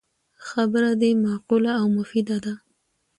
خبره دی معقوله او مفیده ده